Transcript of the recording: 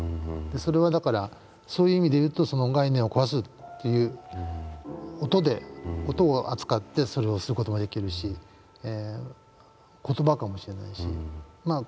それはだからそういう意味で言うと概念を壊すっていう音を扱ってそれをする事もできるし言葉かもしれないし視覚的なものかもしれない。